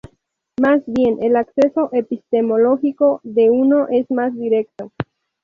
Más bien, el acceso epistemológico de uno es más directo.